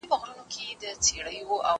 زه مخکي کالي وچولي وو؟